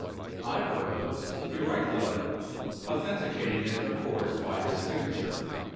I proposed to write the letter; authenticating it, of course, by his signature.